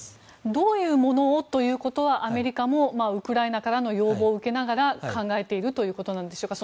どういうものをということはアメリカも、ウクライナからの要望を受けながら考えているということなんでしょうか。